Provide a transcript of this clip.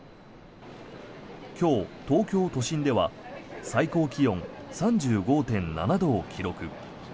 今日、東京都心では最高気温３５．７度を記録。